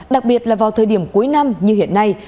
đặc biệt là vào thời điểm cuối năm như hiện nay